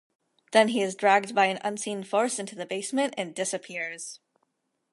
Then he is dragged by an unseen force into the basement and disappears.